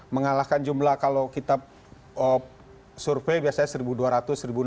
mengalahkan jumlah kalau kita survei biasanya satu dua ratus seribu enam ratus